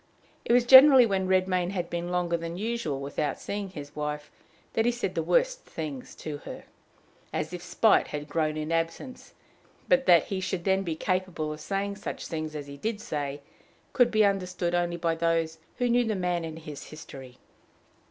It was generally when Redmain had been longer than usual without seeing his wife that he said the worst things to her, as if spite had grown in absence; but that he should then be capable of saying such things as he did say, could be understood only by those who knew the man and his history.